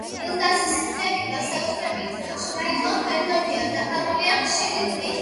ილგაზის მთები, განსაკუთრებით ჩრდილო ფერდობები, დაფარულია ხშირი ტყით.